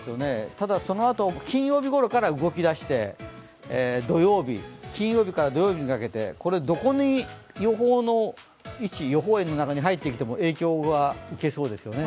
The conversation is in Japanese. ただ、そのあと金曜日ごろから動きだして、金曜日から土曜日にかけて、どこの予報円の中に入ってきても影響は受けそうですよね。